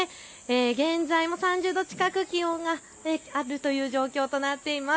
現在も３０度近く気温があるという状況となっています。